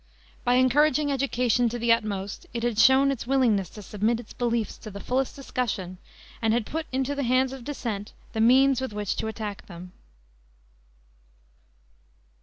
By encouraging education to the utmost it had shown its willingness to submit its beliefs to the fullest discussion and had put into the hands of dissent the means with which to attack them.